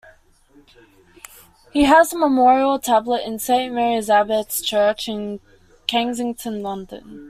He has a memorial tablet in Saint Mary Abbots church in Kensington, London.